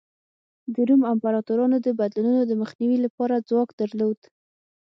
د روم امپراتورانو د بدلونونو د مخنیوي لپاره ځواک درلود.